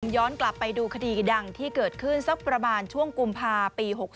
ย้อนกลับไปดูคดีดังที่เกิดขึ้นสักประมาณช่วงกุมภาปี๖๖